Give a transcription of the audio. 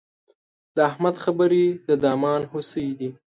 د احمد خبرې د دامان هوسۍ دي.